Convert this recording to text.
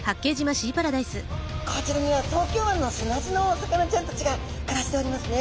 こちらには東京湾の砂地のお魚ちゃんたちが暮らしておりますね。